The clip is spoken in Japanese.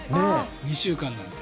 ２週間なんて。